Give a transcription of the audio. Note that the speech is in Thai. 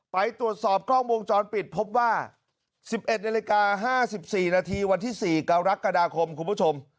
ไปตรวจสอบกล้องวงจรปิดพบว่า๑๑นาฬิกา๕๔นาทีวันที่๔กรกฎาคมคุณผู้ชม